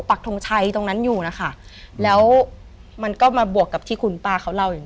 ปักทงชัยตรงนั้นอยู่นะคะแล้วมันก็มาบวกกับที่คุณป้าเขาเล่าอย่าง